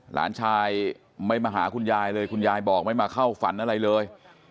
หลานชายไม่มาหาคุณยายเลยคุณยายบอกไม่มาเข้าฝันอะไรเลย